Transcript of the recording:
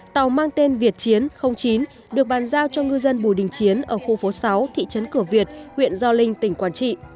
tàu mang tên việt chiến chín được bàn giao cho ngư dân bùi đình chiến ở khu phố sáu thị trấn cửa việt huyện gio linh tỉnh quảng trị